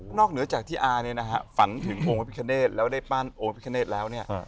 ก็นอกเหนือจากที่อาฮะฝันถึงองค์พระพิกเนตรแล้วได้ปั้นองค์พระพิกเนตรแล้วเนี่ย